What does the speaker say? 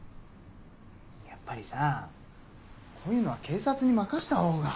やっぱりさこういうのは警察に任した方が。